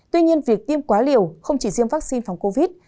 tuy nhiên việc tiêm quá liều không chỉ riêng vaccine phòng covid